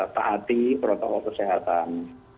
taati protokol kesehatan